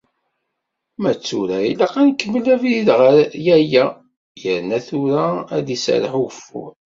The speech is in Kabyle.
Ma d tura, ilaq ad nkemmel abrid ɣer yaya. Yerna tura ara d-iserreḥ ugeffur.